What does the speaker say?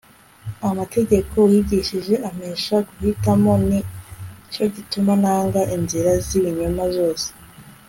amategeko wigishije ampesha guhitamo ni cyo gituma nanga inzira z'ibinyoma zose